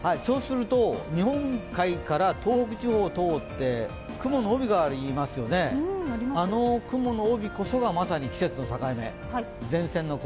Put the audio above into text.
日本海から東北地方を通って雲の帯がありますよね、あの雲の帯こそがまさに季節の境目、前線の雲。